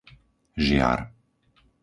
Žiar